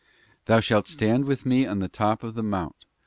'Thou shalt stand with Me on the top of the mount.